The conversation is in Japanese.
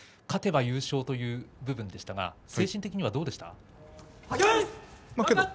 勝てば優勝という部分でしたが精神的にはどうでしたか？